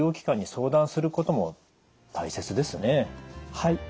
はい。